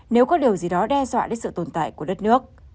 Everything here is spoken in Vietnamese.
nếu có điều gì đó đe dọa đến sự tồn tại của đất nước